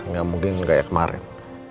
enggak mungkin enggak kayak kemarin